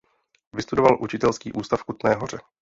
Vystudoval učitelský ústav v Kutné Hoře.